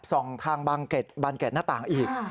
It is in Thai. ส่องทางบางเกดบางเกดหน้าต่างอีก